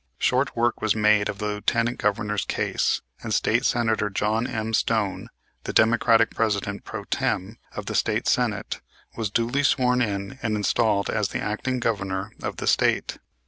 Short work was made of the Lieutenant Governor's case; and State Senator John M. Stone, the Democratic President pro tem. of the State Senate, was duly sworn in and installed as the acting Governor of the State.